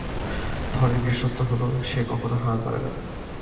থরের বিশেষত্ব হলো সে কখনো হার মানে না।